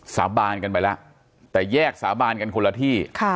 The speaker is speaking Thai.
สาบานกันไปแล้วแต่แยกสาบานกันคนละที่